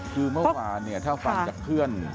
คือเมื่อวานนี่ถ้าฟันกับเพื่อน